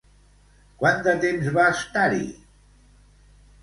Quant de temps va estar-hi?